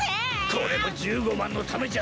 これも１５万のためじゃ！